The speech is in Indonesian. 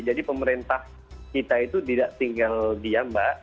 jadi pemerintah kita itu tidak tinggal diam mbak